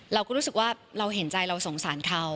เราก็รู้สึกว่าเราเห็นใจเราสงสารเขา